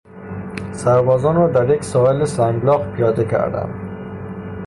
سربازان را در یک ساحل سنگلاخ پیاده کردند.